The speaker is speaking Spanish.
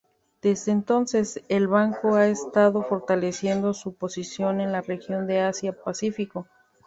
Desde entonces, el banco ha estado fortaleciendo su posición en la región de Asia-Pacífico.